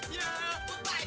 kau yang ngapain